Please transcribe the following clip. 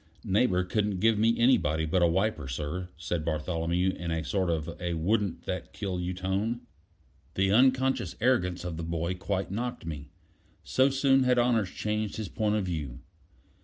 "Neighbor couldn't give me anybody but a wiper, sir," said Bartholomew, in a sort of a wouldn't that kill you tone. The unconscious arrogance of the boy quite knocked me: so soon had honors changed his point of view.